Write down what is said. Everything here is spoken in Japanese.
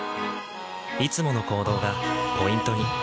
いつもの行動がポイントに。